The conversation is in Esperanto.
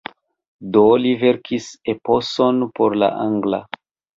Do li verkis eposon por la angla.